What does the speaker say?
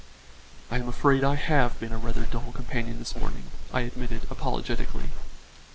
"I am afraid I have been a rather dull companion this morning," I admitted apologetically.